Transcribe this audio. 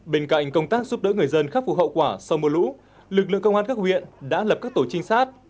bên cạnh công tác giúp đỡ người dân khắc phục hậu quả sau mưa lũ lực lượng công an các huyện đã lập các tổ trinh sát